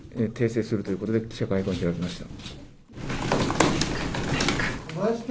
訂正するということで、記者会見を開きました。